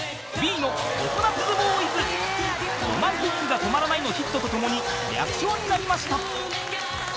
［『Ｒｏｍａｎｔｉｃが止まらない』のヒットとともに略称になりました］